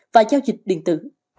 và giao dịch điện tử